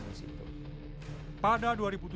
di situ pada dua ribu tujuh belas